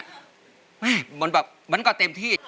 มันแบบเหมือนกับเต็มที่